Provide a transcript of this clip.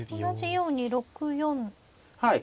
はい。